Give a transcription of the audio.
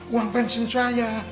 uang pensiun saya